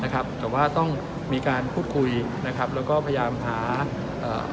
นะครับแต่ว่าต้องมีการพูดคุยนะครับแล้วก็พยายามหาเอ่อ